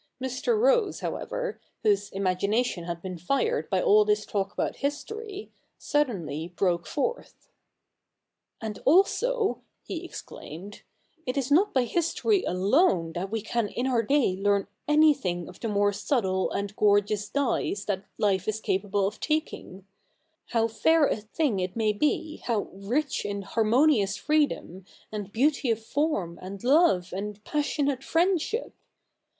Mr. Rose, however, whose imagination had been fired by all this talk about history, suddenly broke forth. ' And also,' he exclaimed, ' is it not by history alone that we can in our day learn anything of the more subtle and gorgeous dyes that life is capable of taking — how fair a thing it may be, how rich in harmonious freedom, and beauty of form, and love, and passionate friendship?